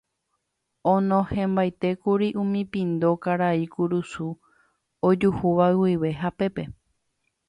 Onohẽmbaitékuri umi pindo karai kurusu ojuhúva guive hapépe.